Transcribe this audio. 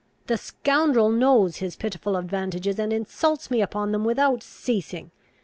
The scoundrel knows his pitiful advantages, and insults me upon them without ceasing.